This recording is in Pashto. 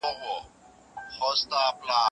ته ولې دومره ناوخته راغلی یې؟